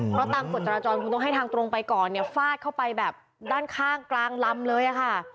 เพราะตามกฎจราจรคุณต้องให้ทางตรงไปก่อนเนี่ยฟาดเข้าไปแบบด้านข้างกลางลำเลยค่ะ